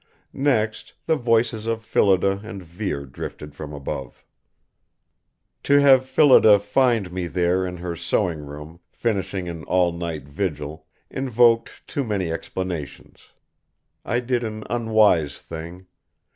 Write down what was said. Next, the voices of Phillida and Vere drifted from above. To have Phillida find me there in her sewing room, finishing an all night vigil, involved too many explanations. I did an unwise thing.